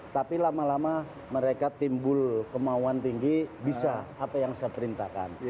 tapi lama lama mereka timbul kemauan tinggi bisa apa yang saya perintahkan